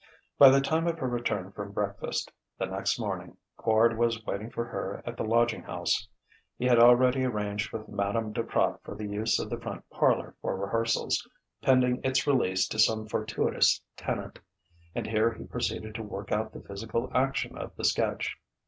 By the time of her return from breakfast, the next morning, Quard was waiting for her at the lodging house. He had already arranged with Madame Duprat for the use of the front parlour for rehearsals, pending its lease to some fortuitous tenant; and here he proceeded to work out the physical action of the sketch.